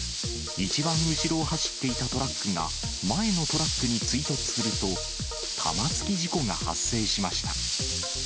一番後ろを走っていたトラックが前のトラックに追突すると、玉突き事故が発生しました。